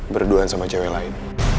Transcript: berduaan sama cewek lain